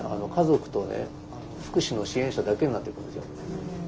家族とね福祉の支援者だけになってくるんですよ。